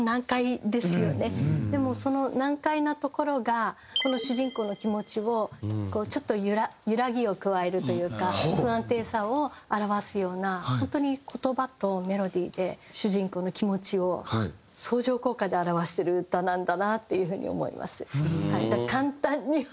でもその難解なところがこの主人公の気持ちをちょっと揺らぎを加えるというか不安定さを表すような本当に言葉とメロディーで主人公の気持ちを相乗効果で表してる歌なんだなっていう風に思います。